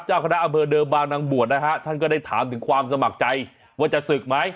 เจ้าคณะอำเภอเดิมบางนางบวชนะฮะท่านก็ได้ถามถึงความสมัครใจว่าจะศึกไหม